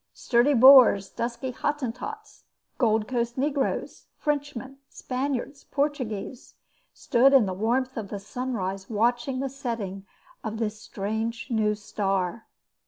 Sturdy Boers, dusky Hottentots, Gold Coast negroes, Frenchmen, Spaniards, Portuguese, stood in the warmth of the sunrise watching the setting of this strange new star.